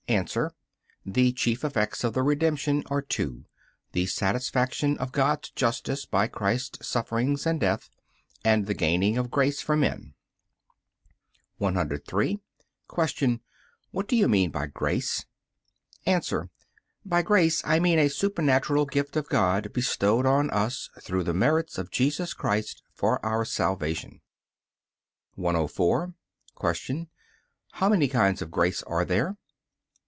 A. The chief effects of the Redemption are two: The satisfaction of God's justice by Christ's sufferings and death, and the gaining of grace for men. 103. Q. What do you mean by grace? A. By grace I mean a supernatural gift of God bestowed on us, through the merits of Jesus Christ, for our salvation. 104. Q. How many kinds of grace are there?